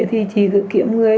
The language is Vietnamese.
thì chị giữ kiếm người